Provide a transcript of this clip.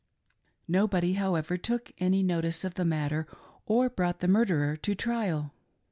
Nobody, however, took any notice of the matter or brought the murderer to trial.